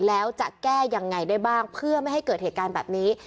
แล้วจะแก้ยังไงได้บ้างเพื่อไม่ให้เกิดเหตุการณ์แบบนี้